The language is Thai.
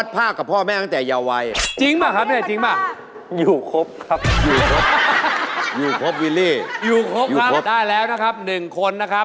พาสค่ะ